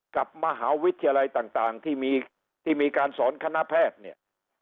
กับมหาวิทยาลัยต่างที่มีการสอนคณะแพทย์เนี่ย